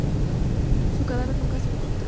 Su cadáver nunca se encontró.